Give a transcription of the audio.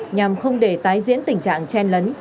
nhằm không để tái diễn tình trạng chen lấn